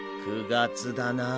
９月だなあ。